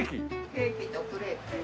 ケーキとクレープ。